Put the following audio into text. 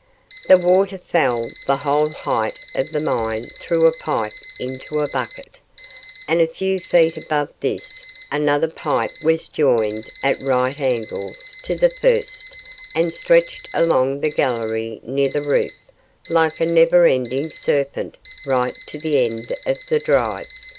The water fell the whole height of the mine through a pipe into a bucket, and a few feet above this another pipe was joined at right angles to the first and stretched along the gallery near the roof like a never ending serpent right to the end of the drive.